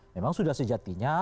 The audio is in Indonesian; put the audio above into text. memang sudah sejatinya